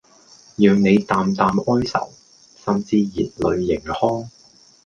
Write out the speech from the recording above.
讓你淡淡哀愁、甚至熱淚盈眶